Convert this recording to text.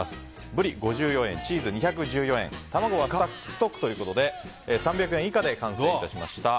ブリ５４円、チーズ２１４円卵はストックということで３００円以下で完成いたしました。